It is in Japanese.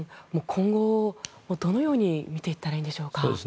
今後、どのように見ていったらいいでしょうか？